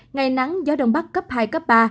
ngày nắng gió đông bắc cấp hai cấp ba